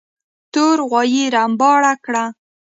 تور غوايي رمباړه کړه.